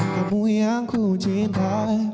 kamu yang ku cinta